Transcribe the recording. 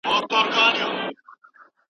آيا ته غواړې چې تفريح وکړې؟